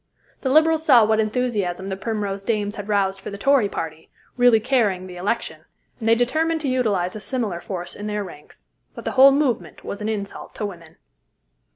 The Liberals saw what enthusiasm the Primrose Dames had roused for the Tory party, really carrying the election, and they determined to utilize a similar force in their ranks. But the whole movement was an insult to women.